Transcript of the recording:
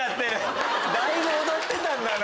だいぶ踊ってたんだな。